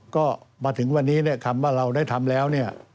ก็มาถึงวันนี้คำว่าเราได้ทำแล้ว